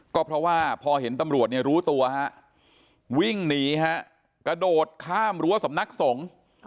ก็เพราะว่าพอเห็นตำรวจเนี่ยรู้ตัววิ่งหนีฮะกระโดดข้ามรั้วสำนักสงฆ์